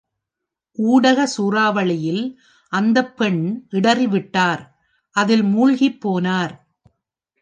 ஊடக சூறாவளியில் அந்தப் பெண் இடறிவிட்டார், அதில் மூழ்கிப் போனார்.